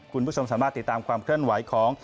คุณผู้ชมสามารถติดตามความเคลื่อนไหวของ